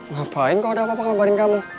ngapain kalau ada apa apa kabarin kamu